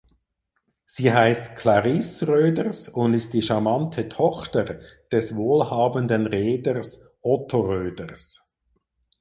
Sie heißt Clarisse Röders und ist die charmante Tochter des wohlhabenden Reeders Otto Röders.